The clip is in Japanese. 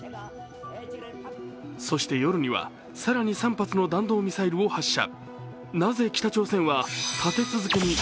そして夜には、更に３発の弾道ミサイルを発射。